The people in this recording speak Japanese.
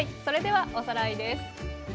それではおさらいです。